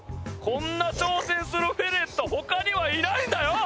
こんな挑戦するフェレット他にはいないんだよ！